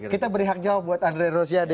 kita beri hak jawab buat andre rosiade